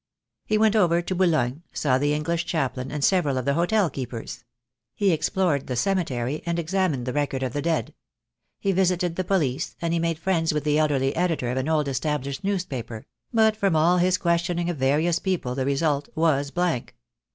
He went over to Boulogne, saw the English chaplain, and several of the hotel keepers. He explored the cemetery, and examined the record of the dead. He visited the police, and he made friends with the elderly editor of an old established newspaper; but from all his questioning of various people the result was blank.